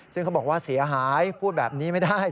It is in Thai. ซึ่งเขาบอกว่าเสียหายพูดแบบนี้ไม่ได้